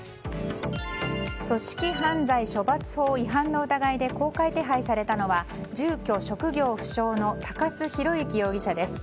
組織犯罪処罰法違反の疑いで公開手配されたのは住居・職業不詳の鷹巣浩之容疑者です。